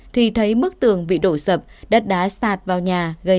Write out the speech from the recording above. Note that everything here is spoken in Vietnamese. thì thấy mức tường bị đổ sập đất đá sạt vào nhà gây